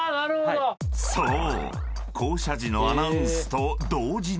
［そう］